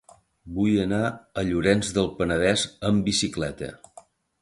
Vull anar a Llorenç del Penedès amb bicicleta.